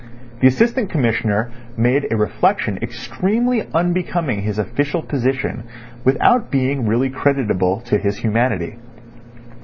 The Assistant Commissioner made a reflection extremely unbecoming his official position without being really creditable to his humanity.